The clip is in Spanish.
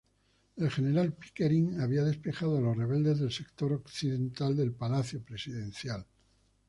El General Pickering había despejado a los rebeldes del sector occidental del palacio presidencial.